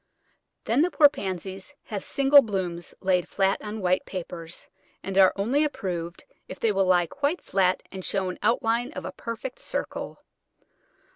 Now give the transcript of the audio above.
Then the poor Pansies have single blooms laid flat on white papers, and are only approved if they will lie quite flat and show an outline of a perfect circle.